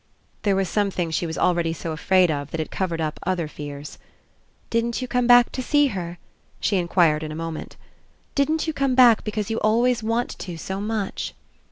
There was something she was already so afraid of that it covered up other fears. "Didn't you come back to see her?" she enquired in a moment. "Didn't you come back because you always want to so much?"